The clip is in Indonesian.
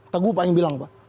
teguh pak yang bilang pak